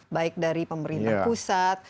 baik dari pemerintah pusat